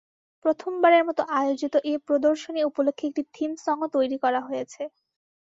প্রথমবারের মতো আয়োজিত এ প্রদর্শনী উপলক্ষে একটি থিম সংও তৈরি করা হয়েছে।